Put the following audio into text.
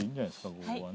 ここはね。